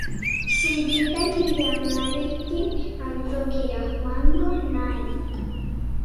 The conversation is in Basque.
Gaur egun lehen munduko zortzi herrialdetan daude trantsizio herriak.